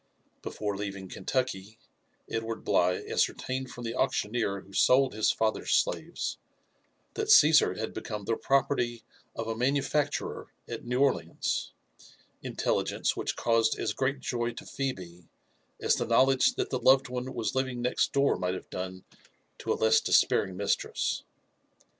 Before leaving Kentucky, Edward Bligh ascertained from the auctioneer who sold his father's slaves, that Caesar had become the pro perty of a manufacturer at New Orleans ; intelligence which caused as great joy to Phebe, as the knowledge that the loved one was living next door might haive done to a less despairing mistress.